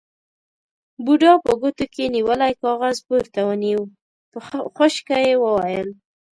بوډا په ګوتو کې نيولی کاغذ پورته ونيو، په خشکه يې وويل: